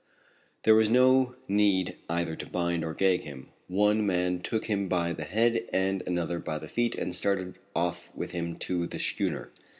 There was no need either to bind or gag him. One man took him by the head and another by the feet and started off with him to the schooner.